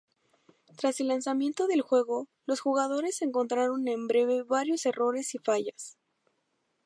Tras el lanzamiento del juego, los jugadores encontraron en breve varios errores y fallas.